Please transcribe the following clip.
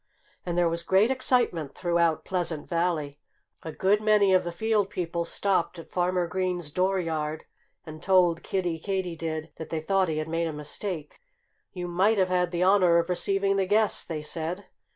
And there was great excitement throughout Pleasant Valley. A good many of the field people stopped at Farmer Green's dooryard and told Kiddie Katydid that they thought he had made a mistake. "You might have had the honor of receiving the guests," they said.